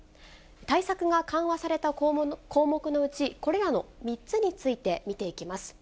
対策が緩和された項目のうち、これらの３つについて見ていきます。